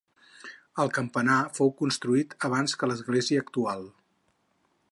El campanar fou construït abans que l'església actual.